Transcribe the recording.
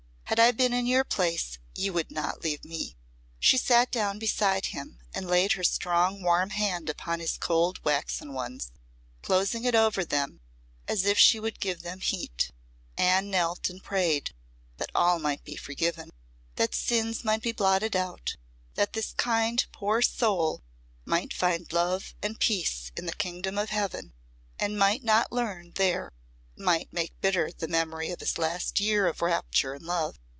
Had I been in your place you would not leave me." She sat down beside him and laid her strong warm hand upon his cold waxen ones, closing it over them as if she would give them heat. Anne knelt and prayed that all might be forgiven, that sins might be blotted out, that this kind poor soul might find love and peace in the kingdom of Heaven, and might not learn there what might make bitter the memory of his last year of rapture and love.